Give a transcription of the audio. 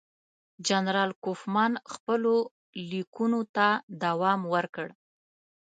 جنرال کوفمان خپلو لیکونو ته دوام ورکړ.